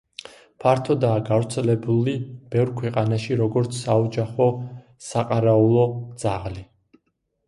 ფართოდაა გავრცელებული ბევრ ქვეყანაში როგორც საოჯახო საყარაულო ძაღლი.